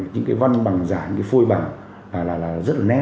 những cái văn bằng giả những cái phôi bằng là rất là nét